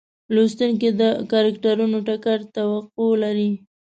لوستونکي د کرکټرونو ټکر توقع لري.